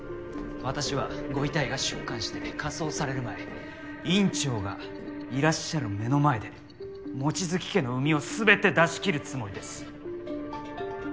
私はご遺体が出棺して火葬される前院長がいらっしゃる目の前で望月家の膿を全て出し切るつもりです。